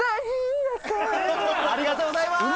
ありがとうございます！